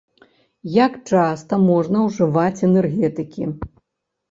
Як часта можна ўжываць энергетыкі?